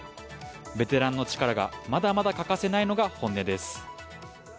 ベテランの力がまだまだ欠かせないのが本音です。